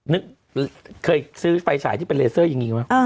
เคยซื้อไฟฉายที่เป็นเลเซอร์อย่างนี้ไหม